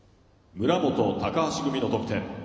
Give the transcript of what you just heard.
村元、高橋組の得点。